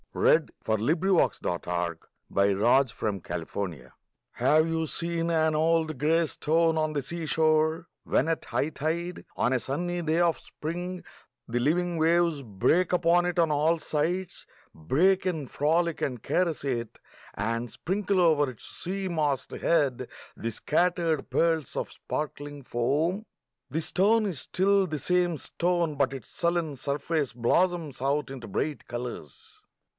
Dec, 1878. 304 POEMS IN PROSE n [1879 1882] THE STONE Have you seen an old grey stone on the sea shore, when at high tide, on a sunny day of spring, the living waves break upon it on all sides — break and frolic and caress it — and sprinkle over its sea mossed head the scattered pearls of sparkling foam ? The stone is still the same stone ; but its sullen surface blossoms out into bright colours.